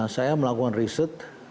saya melakukan riset